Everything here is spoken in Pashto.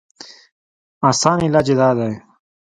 اسان علاج ئې دا دی